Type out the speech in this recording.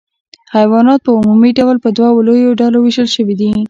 حیوانات په عمومي ډول په دوو لویو ډلو ویشل شوي دي